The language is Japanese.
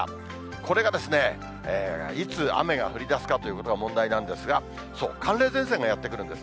これが、いつ雨が降りだすかということが問題なんですが、寒冷前線がやって来るんです。